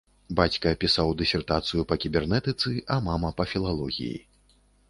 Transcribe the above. Бацька пісаў дысертацыю па кібернетыцы, а мама па філалогіі.